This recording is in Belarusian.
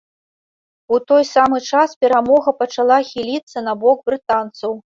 У той самы час перамога пачала хіліцца на бок брытанцаў.